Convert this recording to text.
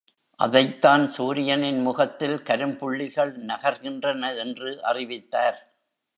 அதைத்தான் சூரியனின் முகத்தில் கரும்புள்ளிகள் நகர்கின்றன என்று அறிவித்தார்.